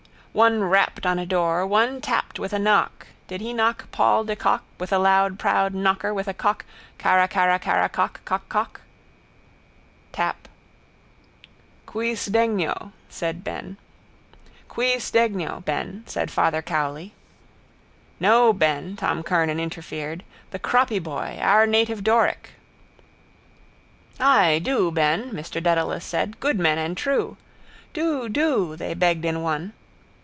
One rapped on a door, one tapped with a knock, did he knock Paul de Kock with a loud proud knocker with a cock carracarracarra cock. Cockcock. Tap. —Qui sdegno, Ben, said Father Cowley. —No, Ben, Tom Kernan interfered. The Croppy Boy. Our native Doric. —Ay do, Ben, Mr Dedalus said. Good men and true. —Do, do, they begged in one.